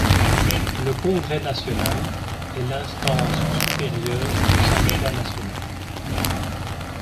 Le congrès national est l’instance supérieure du syndicat national.